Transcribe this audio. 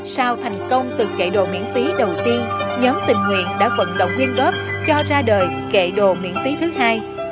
sau thành công thực kệ đồ miễn phí đầu tiên nhóm tình nguyện đã vận động nguyên góp cho ra đời kệ đồ miễn phí thứ hai